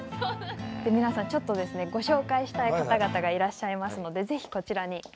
皆さんちょっとですねご紹介したい方々がいらっしゃいますので是非こちらに。